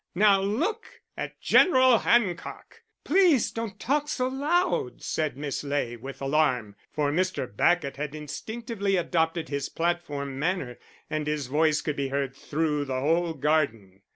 Now look at General Hancock." "Please don't talk so loud," said Miss Ley, with alarm, for Mr. Bacot had instinctively adopted his platform manner, and his voice could be heard through the whole garden.